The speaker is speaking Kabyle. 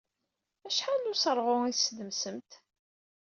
Acḥal n useṛɣu i tessdemsemt?